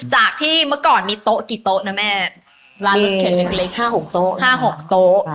จากที่เมื่อก่อนมีโต๊ะกี่โต๊ะนะแม่มีห้าหกโต๊ะห้าหกโต๊ะ